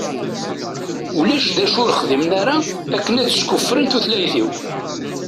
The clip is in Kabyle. Ulac d acu ur xdimen ara akken ad skuffren tutlayt-iw.